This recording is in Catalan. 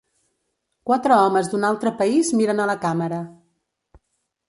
Quatre homes d'un altre país miren a la càmera.